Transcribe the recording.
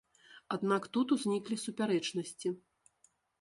Аднак тут узніклі супярэчнасці.